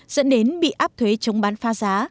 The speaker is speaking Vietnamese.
dẫn đến bị áp thuế chống bán pha giá